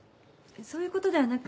そういう事ではなく。